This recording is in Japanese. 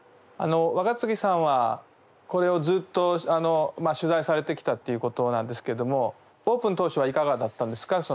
若槻さんはこれをずっと取材されてきたっていうことなんですけどもオープン当初はいかがだったんですか？